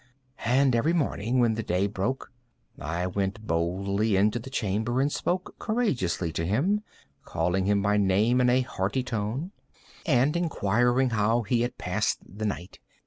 And every morning, when the day broke, I went boldly into the chamber, and spoke courageously to him, calling him by name in a hearty tone, and inquiring how he has passed the night.